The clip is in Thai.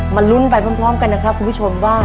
ลุ้นไปพร้อมกันนะครับคุณผู้ชมว่า